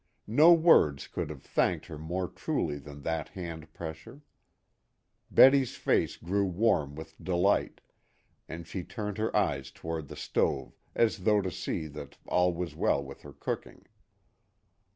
No words could have thanked her more truly than that hand pressure. Betty's face grew warm with delight; and she turned her eyes toward the stove as though to see that all was well with her cooking.